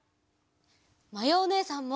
まやおねえさんも！